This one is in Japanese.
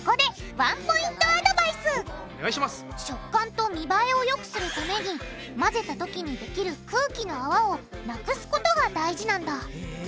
食感と見栄えをよくするために混ぜたときにできる空気の泡をなくすことが大事なんだ！